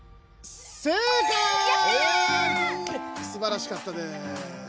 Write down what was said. すばらしかったです。